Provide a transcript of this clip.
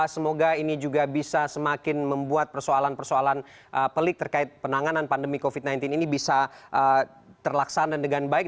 semoga ini juga bisa semakin membuat persoalan persoalan pelik terkait penanganan pandemi covid sembilan belas ini bisa terlaksana dengan baik